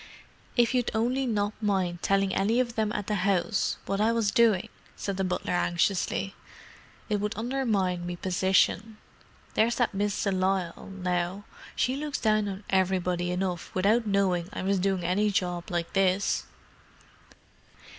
"If you'd only not mind telling any of them at the 'ouse what I was doing," said the butler anxiously. "It 'ud undermine me position. There's that Miss de Lisle, now—she looks down on everybody enough without knowin' I was doin' any job like this."